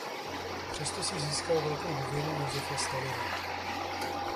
Přesto si získal velkou důvěru Josefa Stalina.